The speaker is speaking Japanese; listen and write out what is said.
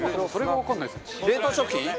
冷凍食品？